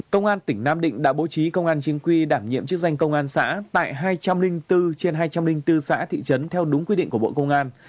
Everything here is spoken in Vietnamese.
công an tỉnh nam định đã bố trí công an chính quy đảm nhiệm chức danh công an xã tại hai trăm linh bốn trên hai trăm linh bốn xã thị trấn theo đúng quy định của bộ công an